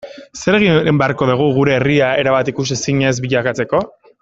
Zer egin beharko dugu gure herria erabat ikusezin ez bilakatzeko?